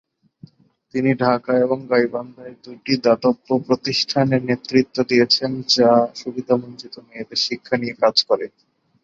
তিনি ঢাকা এবং গাইবান্ধায় দুটি দাতব্য প্রতিষ্ঠানের নেতৃত্ব দিয়েছেন, যা সুবিধাবঞ্চিত মেয়েদের শিক্ষা নিয়ে কাজ করে।